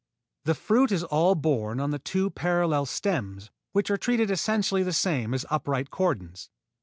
The fruit is all borne on the two parallel stems which are treated essentially the same as upright cordons.